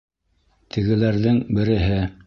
Тегеләрҙең береһе: